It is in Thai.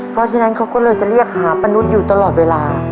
เพราะฉะนั้นเขาก็เลยจะเรียกหาป้านุษย์อยู่ตลอดเวลา